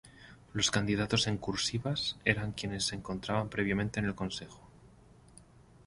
Los candidatos en "cursivas" eran quienes se encontraban previamente en el Consejo.